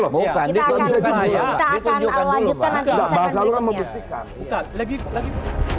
bukan dikonsumsi kita akan lanjutkan nanti bahasa luar negeri bukan lebih lagi